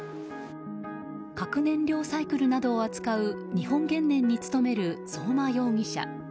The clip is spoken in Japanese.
核燃料サイクルなどを扱う日本原燃に勤める、相馬容疑者。